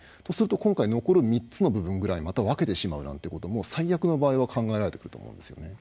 そうすると今回残る３つの部分ぐらいまた分けてしまうなんてことも最悪の場合は考えられてくると思うんですよ。